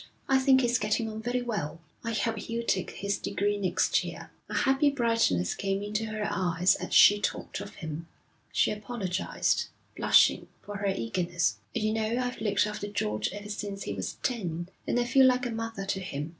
'I think he's getting on very well. I hope he'll take his degree next year.' A happy brightness came into her eyes as she talked of him. She apologised, blushing, for her eagerness. 'You know, I've looked after George ever since he was ten, and I feel like a mother to him.